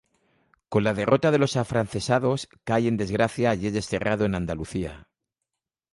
Con la derrota de los afrancesados cae en desgracia y es desterrado en Andalucía.